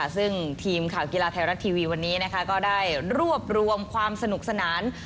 ซึ่งทีมข่าวกีฬาไทยรัฐทีวีวันนี้ก็ได้รวบรวมความสนุกสนาน